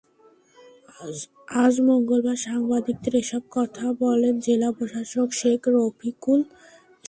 আজ মঙ্গলবার সাংবাদিকদের এসব কথা বলেন জেলা প্রশাসক শেখ রফিকুল ইসলাম।